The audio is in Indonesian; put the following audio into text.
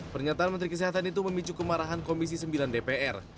pernyataan menteri kesehatan itu memicu kemarahan komisi sembilan dpr